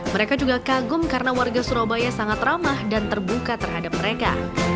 mereka juga kagum karena warga surabaya sangat ramah dan terbuka terhadap mereka